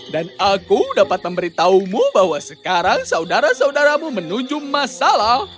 dan aku dapat memberitahumu bahwa sekarang saudara saudaramu menuju masalah